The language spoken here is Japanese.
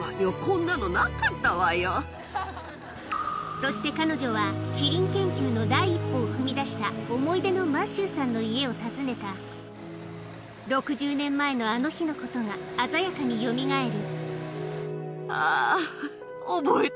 そして彼女はキリン研究の第一歩を踏み出したを訪ねた６０年前のあの日のことが鮮やかによみがえる